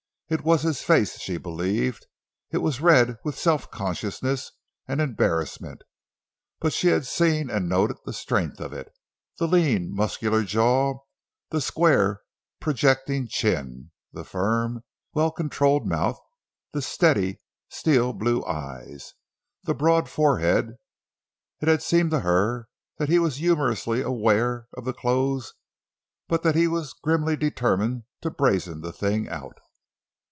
It was his face, she believed. It was red with self consciousness and embarrassment, but she had seen and noted the strength of it—the lean, muscular jaw, the square, projecting chin, the firm, well controlled mouth; the steady, steel blue eyes, the broad forehead. It had seemed to her that he was humorously aware of the clothes, but that he was grimly determined to brazen the thing out.